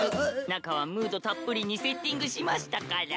中はムードたっぷりにセッティングしましたから。